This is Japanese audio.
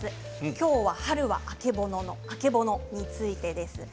今日は春はあけぼのの曙についてです。